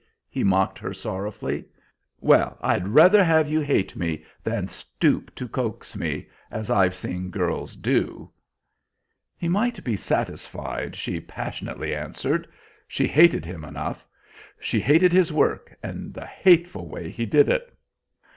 he mocked her sorrowfully. "Well, I had rather have you hate me than stoop to coax me, as I've seen girls do" He might be satisfied, she passionately answered; she hated him enough. She hated his work, and the hateful way he did it.